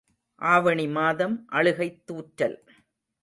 ஆவணி மாதம் அழுகைத் தூற்றல்.